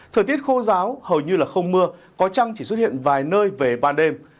thời tiết khô ráo hầu như không mưa có trăng chỉ xuất hiện vài nơi về ban đêm